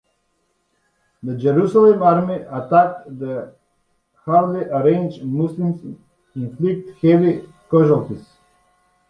The Jerusalem army attacked the hurriedly arranged Muslims, inflicting heavy casualties.